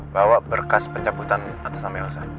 bawa berkas pencaputan atas ameosa